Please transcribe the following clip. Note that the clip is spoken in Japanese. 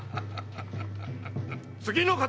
次の方！